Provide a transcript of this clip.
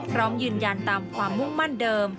พร้อมยืนยันตามความมุ่งมั่นเดิม